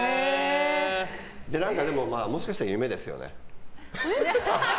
でも、もしかしたら夢ですよね。